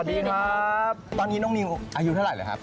สวัสดีครับตอนนี้น้องนิวอายุเท่าไหร่ครับ